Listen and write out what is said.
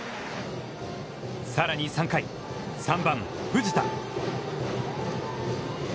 さらに３回、３番藤田。